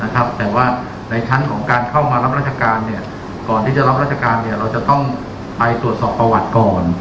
แต่ว่าในชั้นของการเข้ามารับราชการก่อนที่จะรับราชการเราจะต้องไปตรวจสอบประวัติก่อน